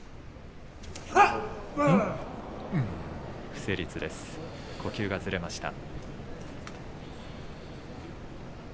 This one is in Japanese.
不成立です、呼吸がずれました。